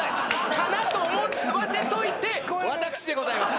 かな？と思わせといて私でございます。